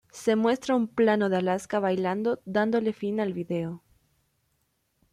Se muestra un plano de Alaska bailando dándole fin al video.